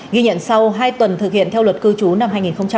ghi nhận sau hai tuần thực hiện theo luật cư chú năm hai nghìn hai mươi